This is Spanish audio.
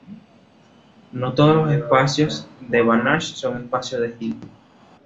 No todos los espacios de Banach son espacios de Hilbert.